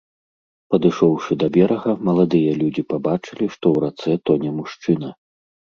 Падышоўшы да берага, маладыя людзі пабачылі, што ў рацэ тоне мужчына.